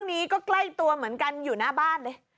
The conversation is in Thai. นี้ก็ใกล้ตัวเหมือนกันอยู่หน้าบ้านเลย